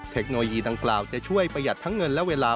เทคโนโลยีดังกล่าวจะช่วยประหยัดทั้งเงินและเวลา